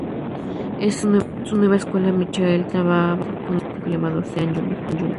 En su nueva escuela, Michael traba amistad con un chico llamado Sean Jr.